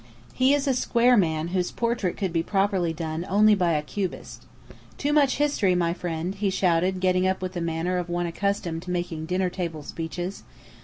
He is a square man whose portrait could be properly done only by a Cubist. "Too much history, my friend!" he shouted, getting up with the manner of one accustomed to making dinner table speeches.